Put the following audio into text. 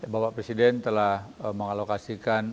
bapak presiden telah mengalokasikan